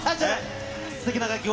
すてきな楽曲を。